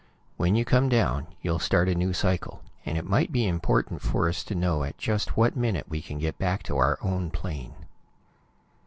When you come down, you'll start a new cycle, and it might be important for us to know at just what minute we can get back to our own plane.